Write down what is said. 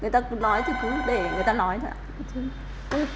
người ta nói thì cứ để người ta nói thôi ạ